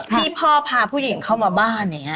ที่พ่อพาผู้หญิงเข้ามาบ้านเนี่ย